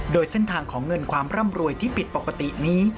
โดยเส้นทางของเงินความร่ำรวยที่ผิดปกตินี้